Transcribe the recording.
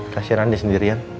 kasih randa sendirian